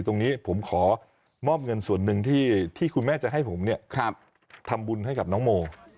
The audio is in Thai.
ตรงนี้ผมขอมอบเงินส่วนหนึ่งที่คุณแม่จะให้ผมทำบุญให้กับน้องโม